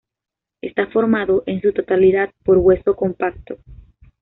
Está formado, en su totalidad, por hueso compacto.